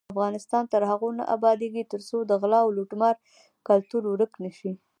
افغانستان تر هغو نه ابادیږي، ترڅو د غلا او لوټمار کلتور ورک نشي.